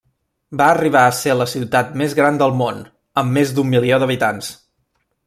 Va arribar a ser la ciutat més gran del món, amb més d'un milió d'habitants.